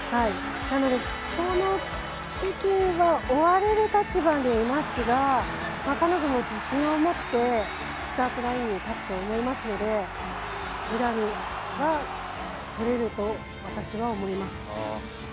なので、この北京は追われる立場にいますが彼女も自信を持ってスタートラインに立つと思いますのでメダルはとれると私は思います。